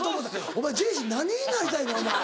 お前ジェーシー何になりたいねんお前。